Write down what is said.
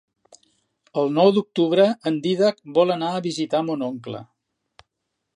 El nou d'octubre en Dídac vol anar a visitar mon oncle.